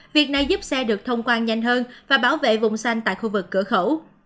việc này giúp xe được thông quan nhanh hơn và bảo vệ vùng xanh tại khu vực cửa khẩu